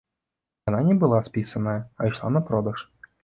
І яна не была спісаная, а ішла на продаж.